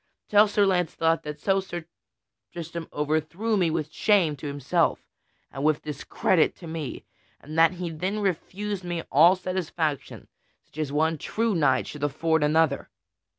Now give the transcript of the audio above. Tell Sir Launcelot that so Sir Tristram overthrew me with shame to himself and with discredit to me, and that he then refused me all satisfaction such as one true knight should afford another."